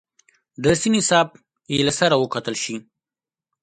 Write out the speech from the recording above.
درسي نصاب یې له سره وکتل شي.